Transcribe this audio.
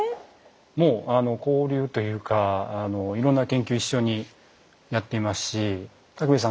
もう交流というかいろんな研究一緒にやっていますし武部さん